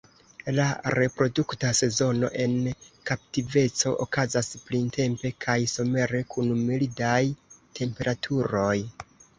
La reprodukta sezono en kaptiveco okazas printempe kaj somere kun mildaj temperaturoj.